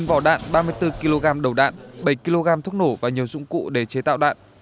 một vỏ đạn ba mươi bốn kg đầu đạn bảy kg thuốc nổ và nhiều dụng cụ để chế tạo đạn